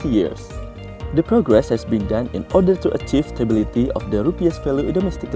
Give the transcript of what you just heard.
kemajuan ini dilakukan untuk mencapai stabilitas nilai rupiah secara domestik